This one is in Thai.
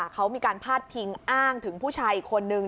เขามีการพาดพิงอ้างถึงผู้ชายอีกคนนึง